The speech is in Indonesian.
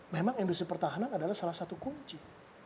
memang industri pertahanan adalah salah satu kunci